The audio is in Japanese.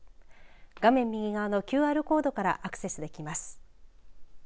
画面右側のＱＲコードからアクセスできます。